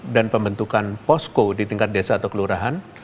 dan pembentukan posko di tingkat desa atau kelurahan